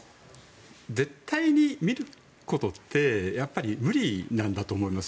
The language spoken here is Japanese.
絶対に見ることってやっぱり無理なんだと思います。